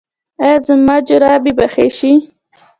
ایا زما چربي به ښه شي؟